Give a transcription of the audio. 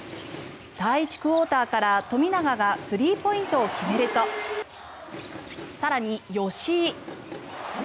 第１クオーターから富永がスリーポイントを決めると更に、吉井。